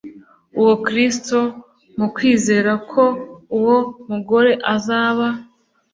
n'uwa kristo mu kwizera ko uwo mugore azaba